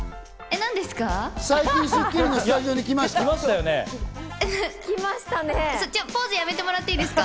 何ですか？